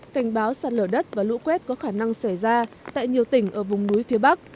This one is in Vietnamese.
cảnh báo sạt lở đất và lũ quét có khả năng xảy ra tại nhiều tỉnh ở vùng núi phía bắc